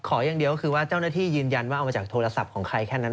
อย่างเดียวก็คือว่าเจ้าหน้าที่ยืนยันว่าเอามาจากโทรศัพท์ของใครแค่นั้น